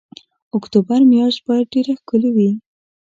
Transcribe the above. اکتوبر میاشت باید ډېره ښکلې وي.